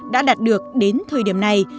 đã đạt được đến thời điểm này